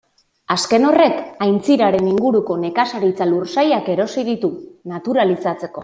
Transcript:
Azken horrek aintziraren inguruko nekazaritza-lursailak erosi ditu, naturalizatzeko.